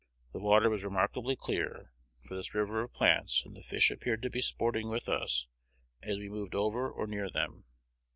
The water was remarkably clear, for this river of plants, and the fish appeared to be sporting with us as we moved over or near them.